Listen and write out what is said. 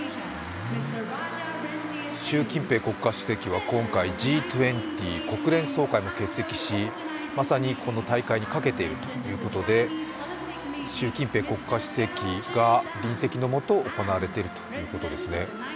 習近平国家主席は今回Ｇ２０、国連総会も欠席しまさにこの大会にかけているということで、習近平国家主席が隣席のもと行われているということですね。